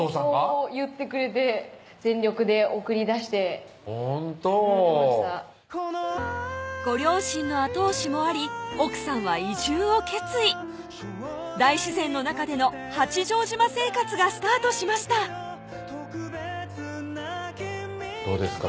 そう言ってくれて全力で送り出してくれましたご両親の後押しもあり奥さんは移住を決意大自然の中での八丈島生活がスタートしましたどうですか？